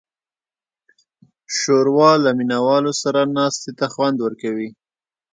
ښوروا له مینهوالو سره ناستې ته خوند ورکوي.